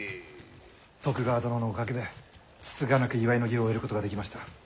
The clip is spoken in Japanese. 徳川殿のおかげでつつがなく祝いの儀を終えることができました。